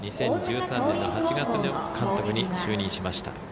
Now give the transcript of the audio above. ２０１３年の８月に監督に就任しました。